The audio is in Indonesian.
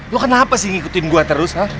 lo kenapa sih ngikutin gue terus